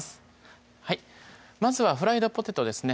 まずはフライドポテトですね